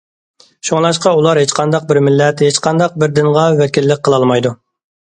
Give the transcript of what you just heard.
شۇڭلاشقا ئۇلار ھېچقانداق بىر مىللەت، ھېچقانداق بىر دىنغا ۋەكىللىك قىلالمايدۇ.